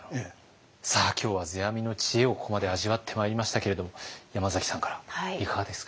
さあ今日は世阿弥の知恵をここまで味わってまいりましたけれども山崎さんからいかがですか？